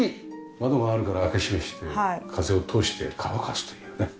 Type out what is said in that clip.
窓があるから開け閉めして風を通して乾かすというね。